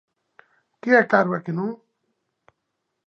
Que é caro e que non?